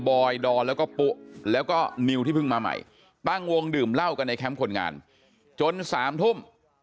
อยดอนแล้วก็ปุ๊แล้วก็นิวที่เพิ่งมาใหม่ตั้งวงดื่มเหล้ากันในแคมป์คนงานจน๓ทุ่ม